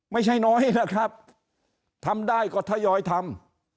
ไม่ใช่น้อยนะครับทำได้ก็ทยอยทำ